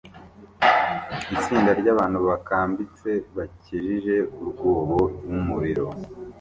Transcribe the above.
Itsinda ryabantu bakambitse bakikije urwobo rwumuriro